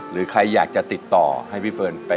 หรือใครอยากจะติดต่อให้พี่เฟิร์นไป